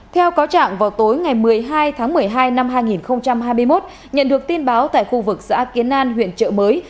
theo cáo trạng vào tối ngày một mươi hai tháng một mươi hai năm hai nghìn hai mươi một nhận được tin báo tại khu vực xã kiến an huyện trợ mới